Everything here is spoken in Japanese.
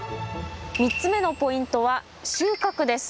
３つ目のポイントは収穫です。